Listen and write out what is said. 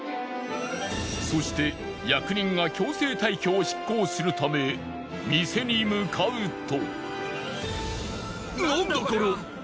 そして役人が強制退去を執行するため店に向かうと。